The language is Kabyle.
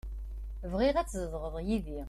Bɣiɣ ad tzedɣeḍ yid-i.